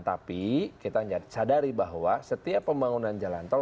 tapi kita sadari bahwa setiap pembangunan jalan tol